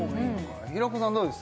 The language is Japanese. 平子さんどうです？